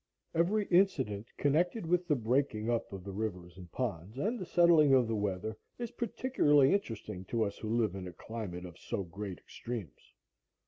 Every incident connected with the breaking up of the rivers and ponds and the settling of the weather is particularly interesting to us who live in a climate of so great extremes.